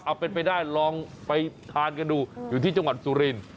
เอาเป็นไปได้ลองไปทานกันดูอยู่ที่จังหวัดสุรินทร์